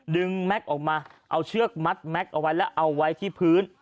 แม็กซ์ออกมาเอาเชือกมัดแก๊กเอาไว้แล้วเอาไว้ที่พื้น